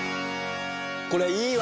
これいいわ！